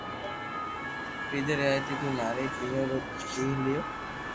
پيئا دآئئي تو ماري ٻينو رو ڌيج ليو